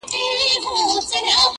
تاته هم یو زر دیناره درکومه,